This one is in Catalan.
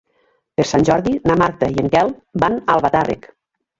Per Sant Jordi na Marta i en Quel van a Albatàrrec.